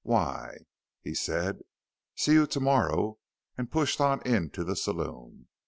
Why? He said, "See you tomorrow," and pushed on into the saloon.